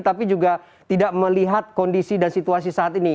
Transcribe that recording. tapi juga tidak melihat kondisi dan situasi saat ini